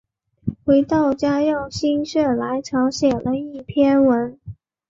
回到家又心血来潮写了一篇文